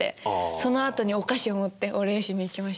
そのあとにお菓子を持ってお礼しに行きましたね。